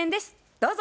どうぞ。